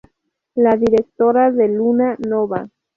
La directora de Luna Nova.